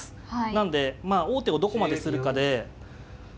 なんでまあ王手をどこまでするかで。